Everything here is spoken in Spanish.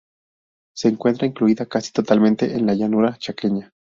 Se encuentra incluida, casi totalmente, en la llanura chaqueña.